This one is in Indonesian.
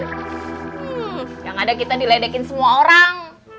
hmm yang ada kita diledekin semua orang